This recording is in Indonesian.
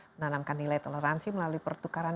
menanamkan nilai toleransi melalui pertukaran